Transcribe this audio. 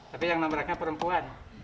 tapi yang nabraknya perempuan